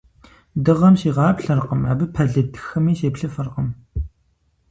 Дыгъэм сигъаплъэркъым, абы пэлыд хыми сеплъыфыркъым.